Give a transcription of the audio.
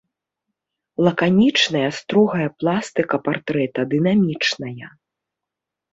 Лаканічная, строгая пластыка партрэта дынамічная.